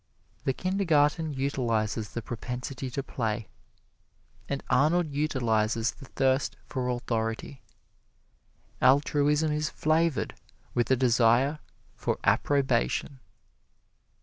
The Kindergarten utilizes the propensity to play; and Arnold utilizes the thirst for authority. Altruism is flavored with a desire for approbation.